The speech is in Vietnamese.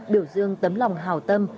biểu dương tấm lòng hào tâm